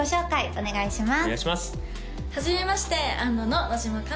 お願いします